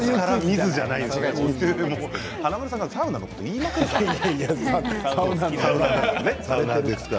華丸さんがサウナのことを言いまくるから。